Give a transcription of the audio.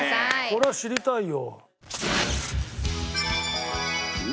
これは知りたいよ！